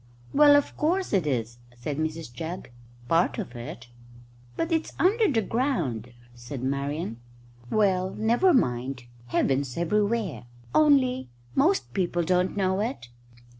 "Well, of course it is," said Mrs Jugg "part of it." "But it's under the ground," said Marian. "Well, never mind. Heaven's everywhere, only most people don't know it."